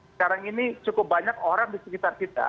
sekarang ini cukup banyak orang di sekitar kita